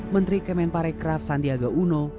menteri kemenparekraf sandiaga uno